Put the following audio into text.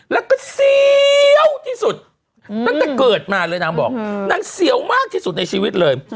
แล้วก็เสียวที่สุดตั้งแต่เกิดมาเลยนางบอกนางเสียวมากที่สุดในชีวิตเลย